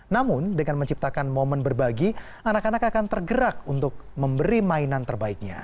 namun dengan menciptakan momen berbagi anak anak akan tergerak untuk memberi mainan terbaiknya